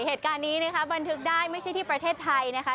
เหตุการณ์นี้นะคะบันทึกได้ไม่ใช่ที่ประเทศไทยนะคะ